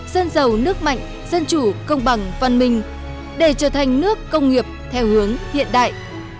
dân giàu nước mạnh dân chủ công bằng văn minh để trở thành nước công nghiệp theo hướng hiện đại